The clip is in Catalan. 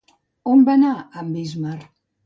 On va anar amb Ísmar?